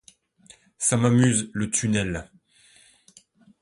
Ça m'amuse, le tunnel.